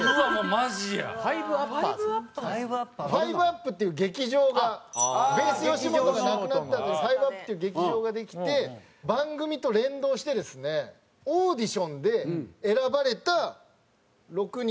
５ｕｐっていう劇場がｂａｓｅよしもとがなくなったんで５ｕｐっていう劇場ができて番組と連動してですねオーディションで選ばれた６人が歌う。